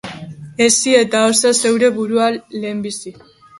Hezi eta osa zeure burua lehenbizi.